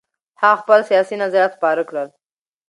هغه خپل سیاسي نظریات خپاره کړل.